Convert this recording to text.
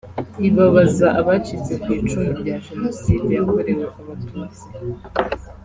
ibabaza abacitse ku icumu rya jenoside yakorewe Abatutsi